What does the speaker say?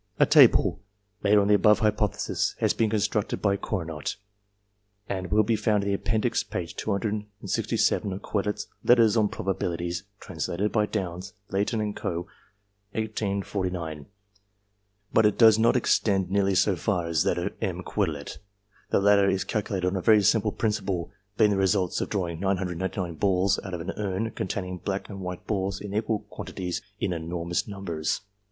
A table, made on the above hypothesis, has been con structed by Cournot, and will be found in the Appendix, p. 267, of Quetelet's "Letters on Probabilities" (translated by Downes ; Lay ton & Co., 1849), but it does not extend nearly so far as that of M. Quetelet. The latter is cal culated on a very simple principle, being the results of drawing 999 balls out of an urn, containing white and black balls in equal quantities and in enormous numbers.